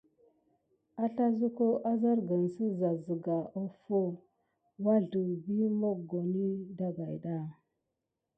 Aslazuko, azargən zegas seza offo wazlə vi moggoni dagayɗa.